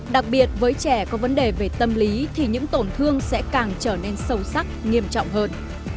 đặc biệt với trẻ có vấn đề về tâm lý thì những tổn thương sẽ càng trở nên sâu sắc nghiêm trọng hơn